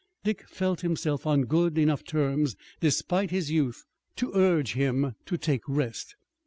Dick felt himself on good enough terms, despite his youth, to urge him to take rest.